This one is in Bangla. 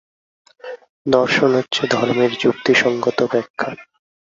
দর্শন হচ্ছে ধর্মের যুক্তিসঙ্গত ব্যাখ্যা।